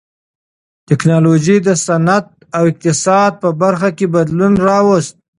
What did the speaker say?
ټکنالوژۍ د صنعت او اقتصاد په برخو کې بدلون راوست.